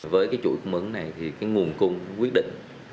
với cái chuỗi khu vấn này thì cái nguồn cung quyết định